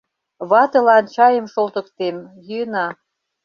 Ватылан чайым шолтыктем... йӱына.